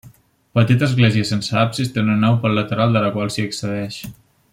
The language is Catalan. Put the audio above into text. Petita església sense absis, té una nau pel lateral de la qual s'hi accedeix.